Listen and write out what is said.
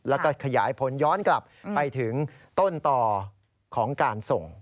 แล้วก็ขยายผลย้อนกลับไปถึงต้นต่อของการส่ง